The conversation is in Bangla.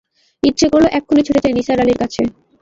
ইচ্ছে করল এক্ষুণি ছুটে যাই নিসার আলির কাছে।